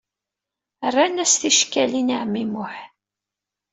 Rran-as ticekkalin i ɛemmi Muḥ.